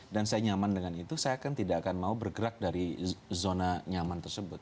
dan saya nyaman dengan itu saya kan tidak akan mau bergerak dari zona nyaman tersebut